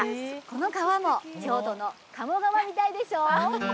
この川も京都の鴨川みたいでしょ？